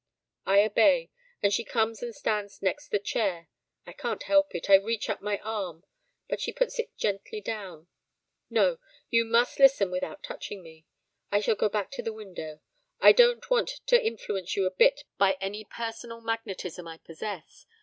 I obey, and she comes and stands next the chair. I can't help it, I reach up my arm, but she puts it gently down. 'No, you must listen without touching me, I shall go back to the window. I don't want to influence you a bit by any personal magnetism I possess.